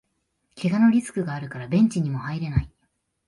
けがのリスクがあるからベンチにも入れない